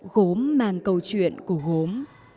gốm mang câu chuyện của gốm